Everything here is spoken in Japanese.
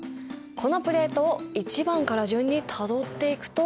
このプレートを１番から順にたどっていくと。